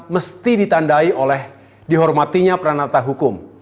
mesti ditandai oleh dihormatinya pranata hukum